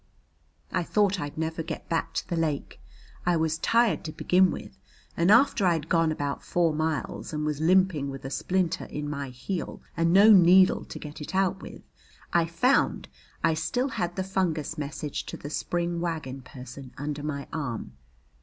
I thought I'd never get back to the lake. I was tired to begin with, and after I'd gone about four miles and was limping with a splinter in my heel and no needle to get it out with, I found I still had the fungus message to the spring wagon person under my arm.